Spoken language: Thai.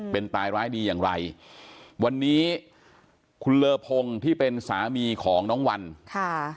เป็นตายร้ายดีอย่างไรวันนี้คุณเลอพงศ์ที่เป็นสามีของน้องวันค่ะ